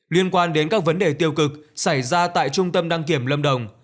liên quan đến các vấn đề tiêu cực xảy ra tại trung tâm đăng kiểm lâm đồng